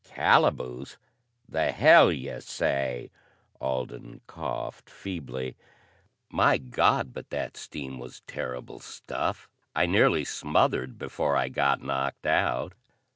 "Calaboose? The hell you say!" Alden coughed feebly. "My God, but that steam was terrible stuff. I nearly smothered before I got knocked out."